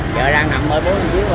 chờ ra thẳng mới bước một chiếc qua đây